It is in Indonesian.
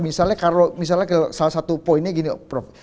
misalnya kalau salah satu poinnya gini prof